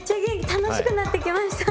楽しくなってきました！